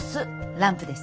ランプです。